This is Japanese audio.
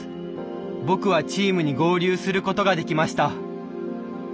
僕はチームに合流することができました。